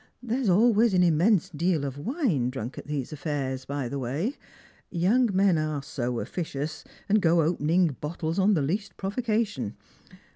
There's always an immense deal of wine drunk at these ttffairs, by the way ; young men are so officious, and go opening bottles on the least provocation.